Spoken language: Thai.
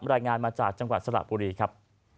รายงานมาจากจังหวัดสระบุรีครับ